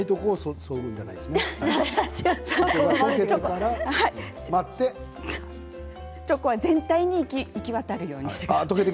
それから全体に行き渡るようにしてください。